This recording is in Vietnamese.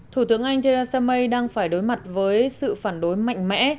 thủ tướng anh theresa may đang phải đối mặt với sự phản đối mạnh mẽ